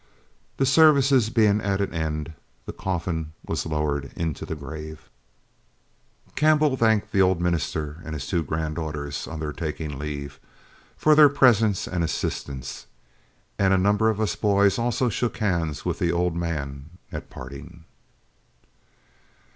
The services being at an end, the coffin was lowered into the grave. Campbell thanked the old minister and his two granddaughters on their taking leave, for their presence and assistance; and a number of us boys also shook hands with the old man at parting.